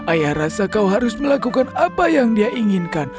ayah rasa kau harus melakukan apa yang dia inginkan